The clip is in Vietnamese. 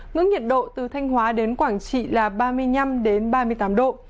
nước nhiệt độ từ thanh hóa đến quảng trị là ba mươi năm đến ba mươi tám độ